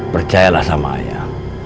percayalah sama ayah